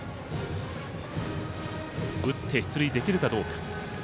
打って出塁できるかどうか。